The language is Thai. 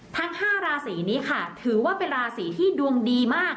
ทั้ง๕ราศีนี้ค่ะถือว่าเป็นราศีที่ดวงดีมาก